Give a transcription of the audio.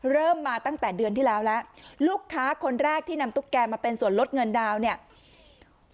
เริ่มมาตั้งแต่เดือนที่แล้วแล้วลูกค้าคนแรกที่นำตุ๊กแกมาเป็นส่วนลดเงินดาวน์เนี่ย